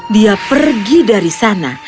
dia pergi dari sana